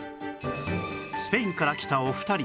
スペインから来たお二人